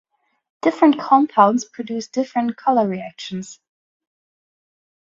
Different compounds produce different color reactions.